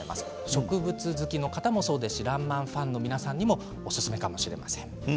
植物好きの方もそうですし「らんまん」ファンの方にもおすすめかもしれません。